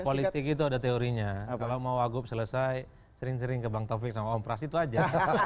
politik itu ada teorinya kalau mau wagub selesai sering sering ke bang taufik sama om pras itu aja